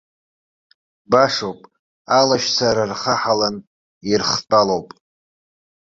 Башоуп, алашьцара рхаҳалан ирхтәалоуп.